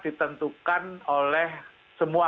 ditentukan oleh semua